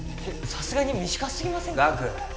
さすがに短すぎません岳